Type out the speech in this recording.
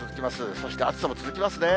そして暑さも続きますね。